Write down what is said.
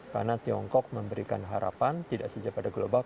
karena tiongkok memberikan harapan tidak saja pada global